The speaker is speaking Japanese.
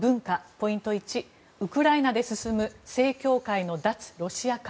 ポイント１、ウクライナで進む正教会の脱ロシア化。